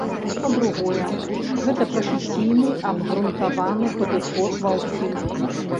Па-другое, гэта прафесійны абгрунтаваны падыход ва ўсім.